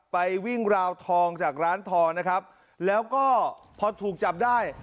ไปวิ่งราวทองจากร้านทองนะครับแล้วก็พอถูกจับได้